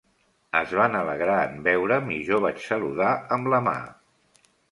Es van alegrar en veure'm, i jo vaig saludar amb la mà.